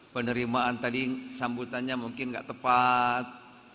penerimaan tadi sambutannya mungkin nggak tepat